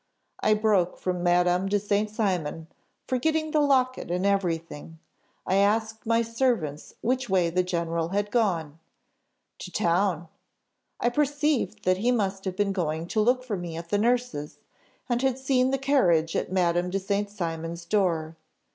I broke from Madame de St. Cymon, forgetting the locket and everything. I asked my servants which way the general had gone? 'To Town.' I perceived that he must have been going to look for me at the nurse's, and had seen the carriage at Madame de St. Cymon's door.